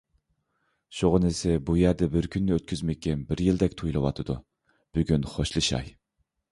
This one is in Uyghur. شۇغىنىسى بۇ يەردە بىر كۈننى ئۆتكۈزمىكىم بىر يىلدەك تۇيۇلۇۋاتىدۇ، بۈگۈن خوشلىشاي.